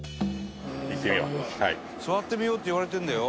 「座ってみようって言われてるんだよ」